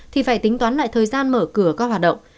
thì phải tính toán lại thời gian mở cửa các hoạt động